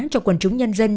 cho quần chúng nhân dân